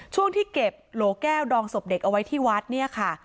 ช่วงที่เก็บโหลแก้วดองศพเด็กเอาไว้ที่วัดเนี่ยค่ะ